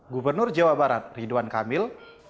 gubernur jawa barat ridwan kamil